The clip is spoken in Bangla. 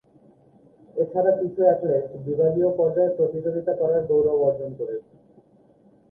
এছাড়া কিছু অ্যাথলেট বিভাগীয় পর্যায়ে প্রতিযোগিতা করার গৌরব অর্জন করেছে।